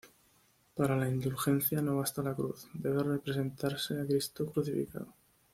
Para la indulgencia no basta la Cruz, debe representarse a Cristo crucificado.